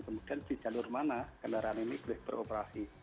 kemudian di jalur mana kendaraan ini boleh beroperasi